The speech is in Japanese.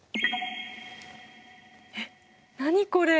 えっ何これ？